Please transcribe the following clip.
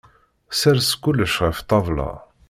Sers kullec ɣef ṭṭabla!